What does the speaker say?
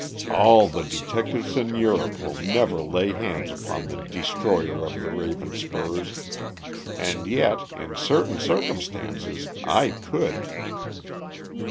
All the detectives in Europe will never lay hands upon the destroyer of the Ravenspurs. And yet, in certain circumstances, I could."